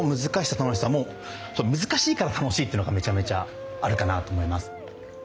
楽しさもう難しいから楽しいっていうのがめちゃめちゃあるかなと思います。